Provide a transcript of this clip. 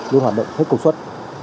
luôn hoạt động hết công suất